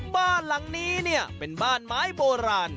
บ้านหลังนี้เนี่ยเป็นบ้านไม้โบราณ